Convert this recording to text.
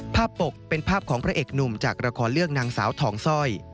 ปกเป็นภาพของพระเอกหนุ่มจากละครเรื่องนางสาวทองสร้อย